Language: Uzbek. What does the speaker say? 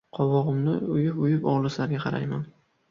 Qobog‘imni uyub-uyub, olislarga qarayman.